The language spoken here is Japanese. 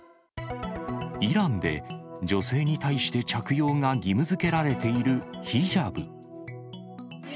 イランで女性に対して着用が義務づけられているヒジャブ。